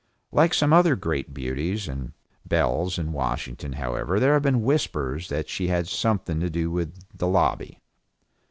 Like some other great beauties and belles in Washington however there have been whispers that she had something to do with the lobby.